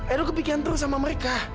aduh kepikiran terus sama mereka